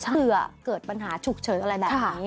เผื่อเกิดปัญหาฉุกเฉินอะไรแบบนี้